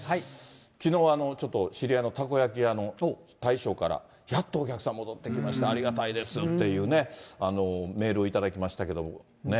きのうちょっと、知り合いのたこ焼き屋の大将から、やっとお客さん戻ってきました、ありがたいですっていうね、メールを頂きましたけど。